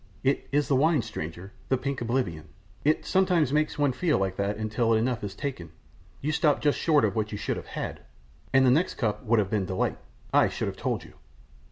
"It is the wine, stranger, the pink oblivion, it sometimes makes one feel like that until enough is taken; you stopped just short of what you should have had, and the next cup would have been delight I should have told you."